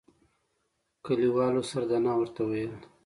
کلیوالو سردنه ورته ويل.